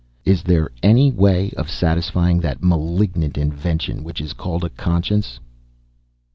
Is there any way of satisfying that malignant invention which is called a conscience?"